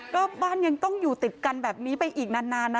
ก็บ้านยังต้องอยู่ติดกันแบบนี้ไปอีกนานนะ